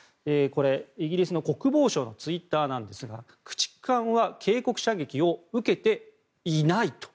イギリスの国防省のツイッターですが駆逐艦は警告射撃を受けていないと。